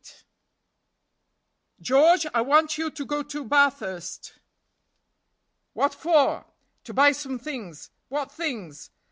"GEORGE, I want you to go to Bathurst." "What for?" "To buy some things." "What things?"